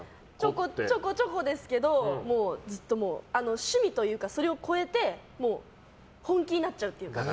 ちょこちょこですけど趣味というかそれを超えて本気になっちゃうという。